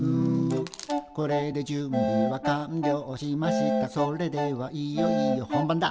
「これで準備は完了しましたそれではいよいよ本番だ」